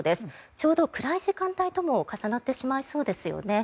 ちょうど暗い時間帯とも重なってしまいそうですよね。